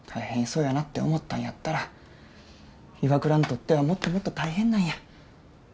そうやなって思ったんやったら岩倉にとってはもっともっと大変なんや。